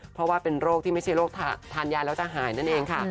เพราะว่าเป็นโรคที่ไม่ใช่โรคทานยาแล้วจะหายนั่นเองค่ะ